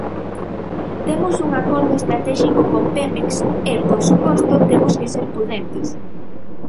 Temos un acordo estratéxico con Pemex e, por suposto, temos que ser prudentes.